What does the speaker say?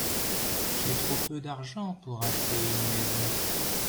J'ai trop peu d'argent pour acheter une maison.